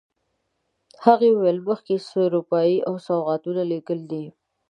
هغه وویل مخکې سروپايي او سوغاتونه لېږلي دي.